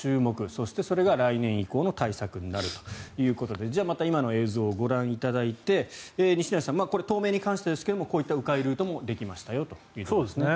そして、それが来年以降の対策になるということでじゃあ、また今の映像をご覧いただいて西成さん、東名に関してですがこういう迂回ルートもできましたよと。